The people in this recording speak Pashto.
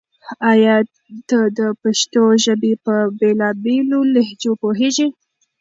آیا ته د پښتو ژبې په بېلا بېلو لهجو پوهېږې؟